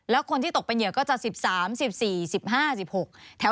แล้วคนที่ตกเป็นเหยื่อก็จะ๑๓๑๔๑๕๑๖